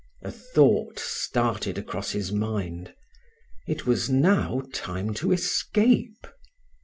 A thought started across his mind it was now time to escape.